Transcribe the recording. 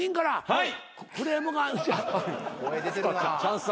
はい。